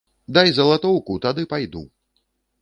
Дай залатоўку, тады пайду.